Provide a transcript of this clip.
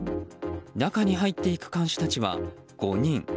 中に入っていく看守たちは５人。